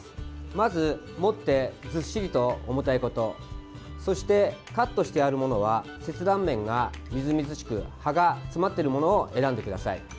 まず持ってずっしりと重たいことそして、カットしてあるものは切断面がみずみずしく葉が詰まっているものを選んでください。